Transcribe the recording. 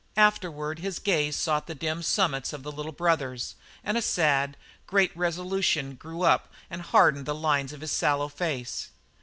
Afterward his gaze sought the dim summits of the Little Brothers, and a sad, great resolution grew up and hardened the lines of his sallow face.